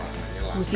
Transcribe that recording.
musisi atau kolektor